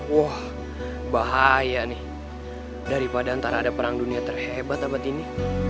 wah bahaya nih daripada antara ada perang dunia terhebat abad ini